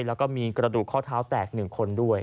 แล้วก็มีกระดูกข้อเท้าแตก๑คนด้วย